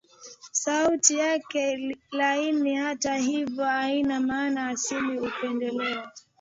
sauti yake laini hata hivyo haina maana asili upendeleo